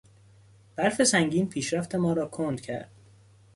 برف سنگین پیشرفت ما را کند کرد.